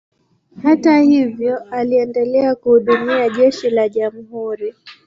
Hata hivyo, aliendelea kuhudumia jeshi la jamhuri.